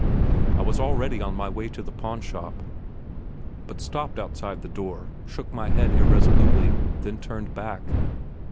I was already on my way to the pawn shop, but stopped outside the door, shook my head irresolutely, then turned back.